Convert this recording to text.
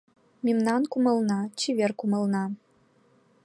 Мемнан кумылна — чевер кумылна.